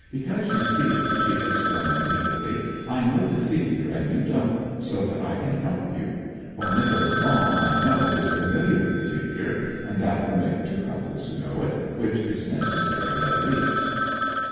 'Because, you see,' she explained eagerly, 'I know the figure and you don't so that I can help you; while Nicholas Long, I know, is familiar with the figure, and that will make two couples who know it which is necessary, at least.'